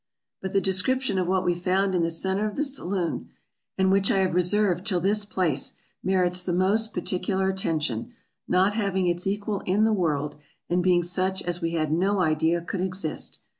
But the description of what we found in the center of the saloon, and which I have reserved till this place, merits the most particular attention, not having its equal in the world, and being such as we had no idea could exist.